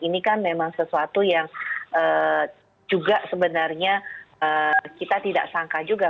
ini kan memang sesuatu yang juga sebenarnya kita tidak sangka juga